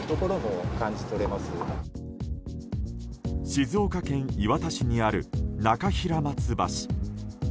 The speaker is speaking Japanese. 静岡県磐田市にある中平松橋。